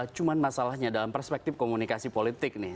cuma masalahnya dalam perspektif komunikasi politik nih